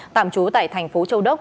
tạm chú tại tp châu đốc